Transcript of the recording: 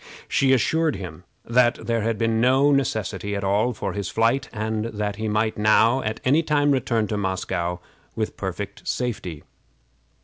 She assured him that there had been no necessity at all for his flight, and that he might now at any time return to Moscow with perfect safety.